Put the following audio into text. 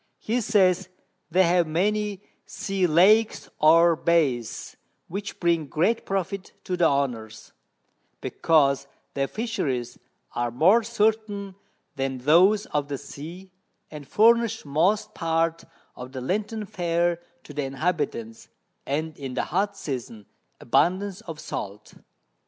He says, they have many Sea Lakes or Bays, which bring great Profit to the Owners, because their Fisheries are more certain than those of the Sea; and furnish most part of the Lenten Fair to the Inhabitants, and in the hot Season abundance of Salt.